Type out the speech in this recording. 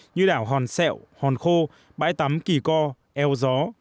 như đảo hòn sẹo hòn khô bãi tắm kỳ co eo gió